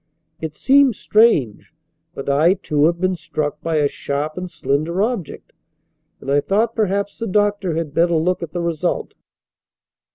It seems strange, but I, too, have been struck by a sharp and slender object, and I thought, perhaps, the doctor had better look at the result."